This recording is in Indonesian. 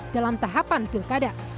dalam tahapan pilkada